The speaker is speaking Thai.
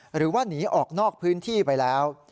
หรือว่าหนีออกนอกพื้นที่ไปแล้ว